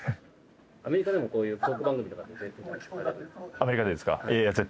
アメリカでですか？